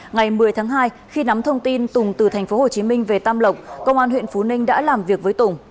ngày một mươi tháng hai khi nắm thông tin tùng từ tp hcm về tam lộc công an huyện phú ninh đã làm việc với tùng